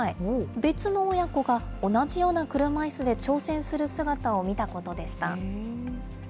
別の親子が同じような車いすで挑戦する姿を見たことでした。